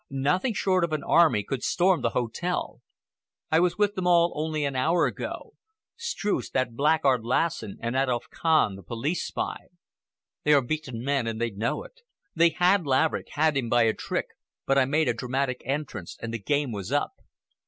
Nothing short of an army could storm the hotel. I was with them all only an hour ago,—Streuss, that blackguard Lassen, and Adolf Kahn, the police spy. They are beaten men and they know it. They had Laverick, had him by a trick, but I made a dramatic entrance and the game was up."